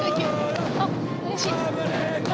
あっうれしい。